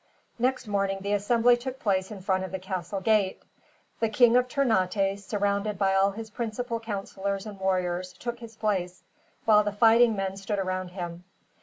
Next morning the assembly took place in front of the castle gate. The King of Ternate, surrounded by all his principal councilors and warriors, took his place, while the fighting men stood around him.